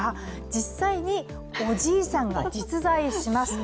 実際におじいちゃんは実在します。